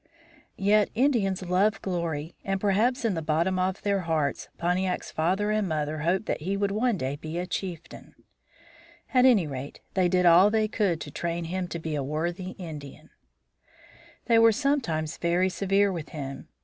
Yet, Indians love glory and perhaps in the bottom of their hearts Pontiac's father and mother hoped that he would one day be a chieftain. At any rate they did all they could to train him to be a worthy Indian. [Illustration: INDIAN WARRIOR] They were sometimes very severe with him.